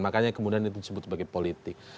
makanya kemudian itu disebut sebagai politik